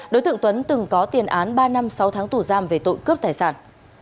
đối tượng tuấn từng có tiền án ba năm sáu tháng tù giam về tội cướp tài sản